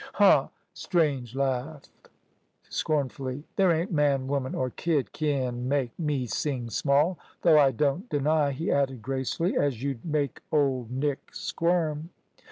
"Huh!" Strange laughed scornfully. "There ain't man, woman, or kid kin make me sing small. Though I don't deny," he added gracefully, "as you'd make Old Nick squirm."